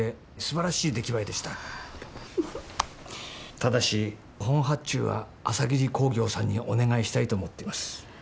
ただし本発注は朝霧工業さんにお願いしたいと思ってます。